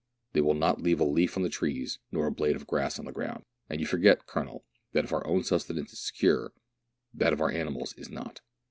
They will not leave a leaf on the trees, nor a blade of grass on the ground ; and you forget, Colonel, that if our own sustenance is secure, that of our animals is not.